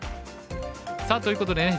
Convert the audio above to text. さあということでね